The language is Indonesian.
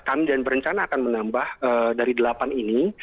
kami dan berencana akan menambah dari delapan ini